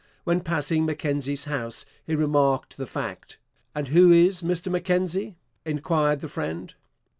When passing Mackenzie's house he remarked the fact. 'And who is Mr Mackenzie?' inquired the friend.